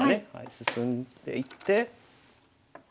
進んでいって。